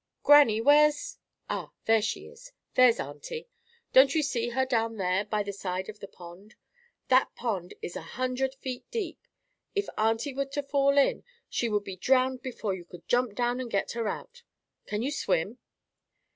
Grannie, where's—ah! there she is! There's auntie! Don't you see her down there, by the side of the pond? That pond is a hundred feet deep. If auntie were to fall in she would be drowned before you could jump down to get her out. Can you swim?"